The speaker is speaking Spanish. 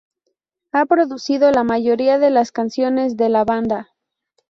Ha producido la mayoría de las canciones de la banda.